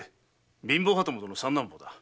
貧乏旗本の三男坊だ。